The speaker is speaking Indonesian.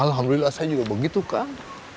alhamdulillah saya juga begitu kan